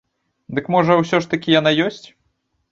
Дык можа ўсё ж такі яна ёсць?